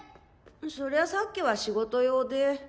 そりゃさっきは仕事用で。